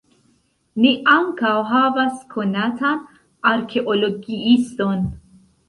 Ni ankaŭ havas konatan arkeologiiston.